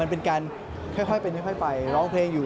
มันเป็นการค่อยเป็นค่อยไปร้องเพลงอยู่